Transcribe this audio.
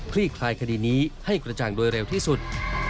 ลี่คลายคดีนี้ให้กระจ่างโดยเร็วที่สุด